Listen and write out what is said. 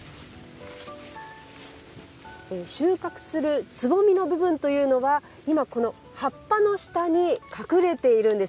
収穫する、つぼみの部分が葉っぱの下に隠れているんです。